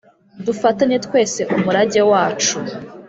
dufatanye twese umurage wacu,